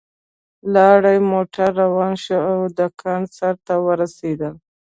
لارۍ موټر روان شو او د کان سر ته ورسېدل